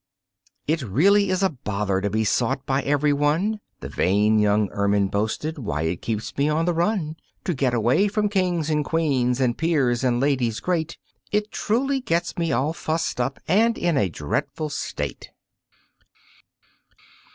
"It really is a bother to be sought by everyone" The vain young Ermine boasted. "Why, it keeps me on the run To get away from kings and queens and peers and ladies great It truly gets me all fussed up and in a dreadful state."